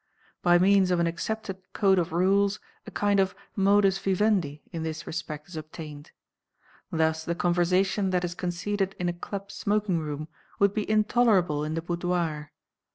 By means of an accepted code of rules a kind of modus vivendi in this respect is obtained. Thus the conversation that is conceded in a club smoking room would be intolerable in the boudoir.